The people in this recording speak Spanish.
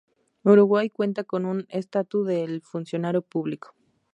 Uruguay cuenta con un Estatuto del Funcionario Público.